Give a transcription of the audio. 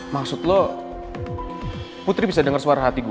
maksud lo putri bisa dengar suara hati gue